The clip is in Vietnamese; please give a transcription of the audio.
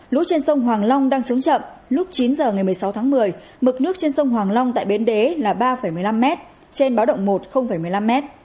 lũ trên sông hoàng long đang xuống chậm lúc chín h ngày một mươi sáu tháng một mươi mực nước trên sông hoàng long tại bến đế là ba một mươi năm m trên báo động một một mươi năm m